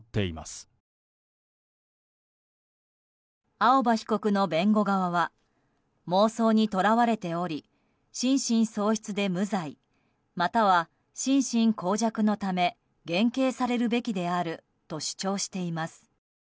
青葉被告の弁護側は妄想にとらわれており心神喪失で無罪または心神耗弱のため減刑されるべきであると主張しています。